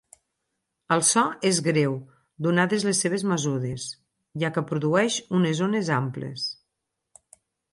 El so és greu donades les seves mesures, ja que produeix unes ones amples.